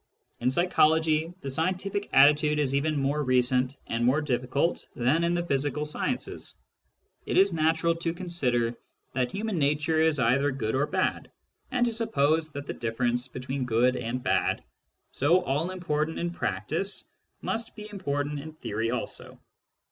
In psychology, the scientific attitude is even more recent and more difficult than in the physical sciences : it is natural to consider that human nature is either good or bad, and to suppose that the difference between good and bad, so all important in practice, must be important in theory also.